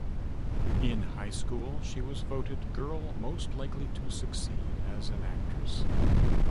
In high school she was voted Girl Most Likely to Succeed as an Actress.